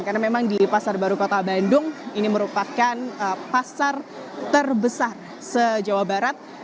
karena memang di pasar baru kota bandung ini merupakan pasar terbesar se jawa barat